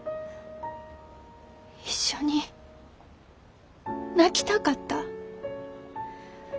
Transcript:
一緒に泣きたかった。